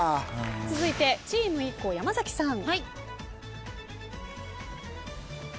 続いてチームＩＫＫＯ山崎さん。